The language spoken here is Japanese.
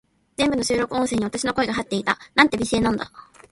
全部の収録音声に、私の声が入っていた。なんて美声なんだ。